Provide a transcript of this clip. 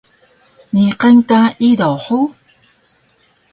Niqan ka idaw hug?